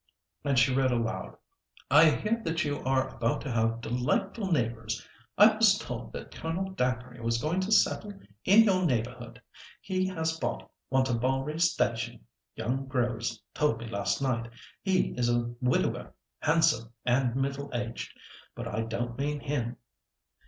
And she read aloud:—"'I hear that you are to have delightful neighbours. I was told that Colonel Dacre was going to settle in your neighbourhood. He has bought Wantabalree station—young Groves told me last night. He is a widower, handsome and middle aged. But I don't mean him.